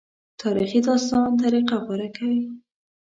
تاریخي داستان طریقه غوره کوي.